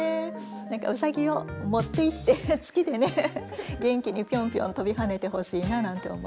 何かうさぎを持っていって月でね元気にピョンピョン跳びはねてほしいななんて思います。